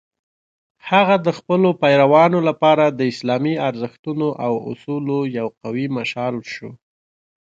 هغه د خپلو پیروانو لپاره د اسلامي ارزښتونو او اصولو یو قوي مشال شو.